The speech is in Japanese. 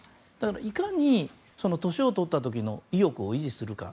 いかに年を取った時の意欲を維持するか。